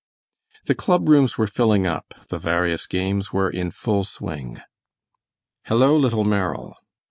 The club rooms were filling up; the various games were in full swing. "Hello, little Merrill!"